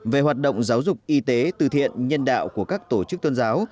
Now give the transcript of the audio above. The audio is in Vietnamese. về hoạt động giáo dục y tế từ thiện nhân đạo của các tổ chức tôn giáo